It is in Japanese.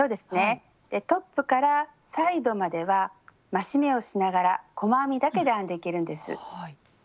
トップからサイドまでは増し目をしながら細編みだけで編んでいけるんです。